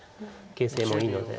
形勢もいいので。